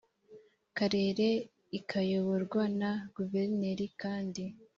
karere ikayoborwa na guverineri kandi